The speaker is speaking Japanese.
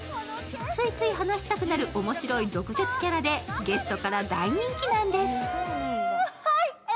ついつい話したくなる面白い毒舌キャラで、ゲストから大人気なんです。